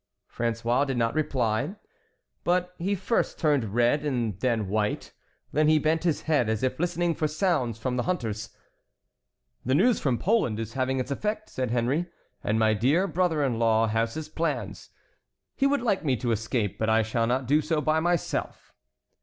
François did not reply. But he first turned red and then white. Then he bent his head, as if listening for sounds from the hunters. "The news from Poland is having its effect," said Henry, "and my dear brother in law has his plans. He would like me to escape, but I shall not do so by myself."